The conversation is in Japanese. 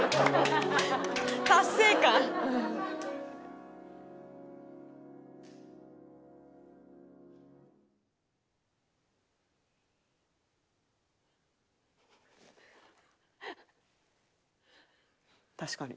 達成感」「確かに。